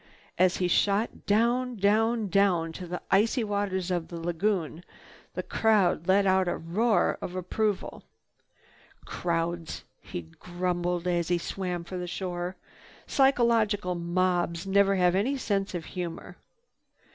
As he shot down, down, down to the icy waters of the lagoon, the crowd let out a roar of approval. "Crowds," he grumbled as he swam for the shore, "psychological mobs never have any sense of humor."